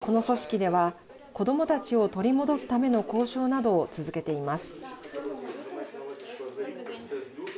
寄せられた情報を基にこの組織では子どもたちを取り戻すための交渉などを続けています。